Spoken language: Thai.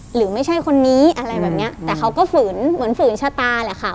หรือไม่ใช่คนนี้อะไรแบบเนี้ยแต่เขาก็ฝืนเหมือนฝืนชะตาแหละค่ะ